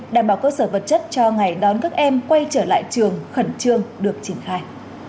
đảm bảo cơ sở vật chất cho ngày đón các em quay trở lại trường khẩn trương được triển khai